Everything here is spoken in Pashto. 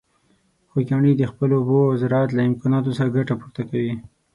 خوږیاڼي د خپلو اوبو او زراعت له امکاناتو څخه ګټه پورته کوي.